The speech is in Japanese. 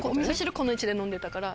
この位置で飲んでたから。